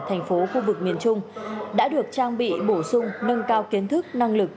thành phố khu vực miền trung đã được trang bị bổ sung nâng cao kiến thức năng lực